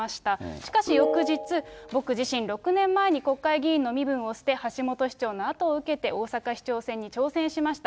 しかし翌日、僕自身、６年前に国会議員の身分を捨て、橋下市長のあとを受けて、大阪市長選に挑戦しました。